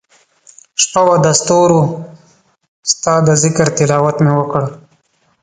شپه وه دستورو ستا دذکرتلاوت مي وکړ